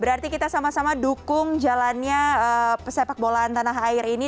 berarti kita sama sama dukung jalannya pesepak bolaan tanah air ini